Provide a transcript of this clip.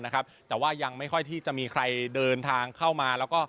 แต่ว่ายังไม่ค่อยที่จะมีใครเดินทางเข้ามาแล้วก็